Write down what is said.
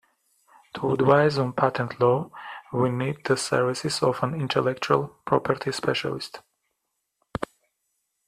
To advise on patent law, we need the services of an intellectual property specialist